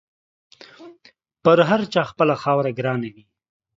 پر هر چا خپله خاوره ګرانه وي.